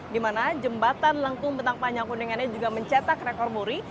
di mana jembatan lengkung bentang panjang kuningan ini juga mencetak rekor muri